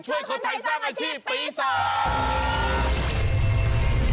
เพื่อช่วยคนไทยสร้างอาชีพปีศาสตร์